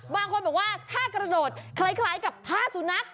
บางคนบอกว่าถ้ากระโดดคล้ายกับท่าสุนัข